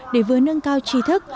để vừa nâng cao trí thức